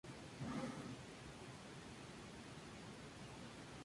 Y los Bastet notaron esto último.